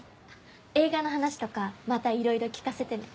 映画の話とかまたいろいろ聞かせてね。